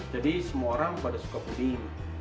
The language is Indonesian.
jadi semua orang pada suka puding